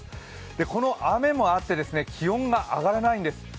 この雨もあって気温が上がらないんです。